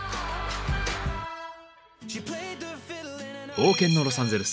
冒険のロサンゼルス。